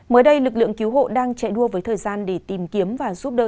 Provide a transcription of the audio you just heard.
mới đây lực lượng cứu hộ đang chạy đua với thời gian để tìm kiếm và giúp đỡ